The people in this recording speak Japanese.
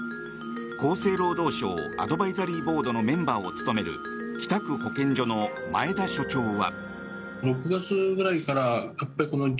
厚生労働省アドバイザリーボードのメンバーを務める北区保健所の前田所長は。